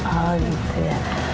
oh gitu ya